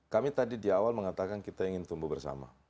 kami tadi di awal mengatakan kita ingin tumbuh bersama